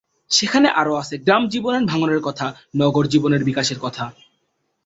সেখানে আরও আছে গ্রাম জীবনের ভাঙনের কথা, নগর জীবনের বিকাশের কথা।